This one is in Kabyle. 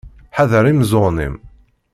Ḥader imeẓẓuɣen-im.